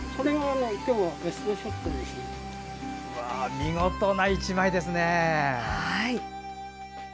見事な１枚ですね。